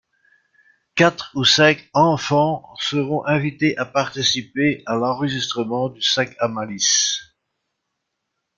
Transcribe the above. Quatre ou cinq enfants seront invités à participer à l’enregistrement du Sac à malice.